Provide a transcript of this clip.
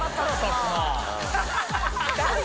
誰⁉